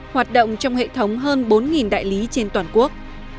hoạt động trong hệ thống hơn bốn đại lý trên toàn quốc